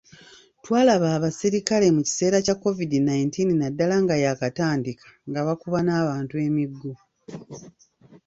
Twalaba abaserikale mu kiseera kya Covid nineteen naddala nga yaakatandika nga bakuba n'abantu emiggo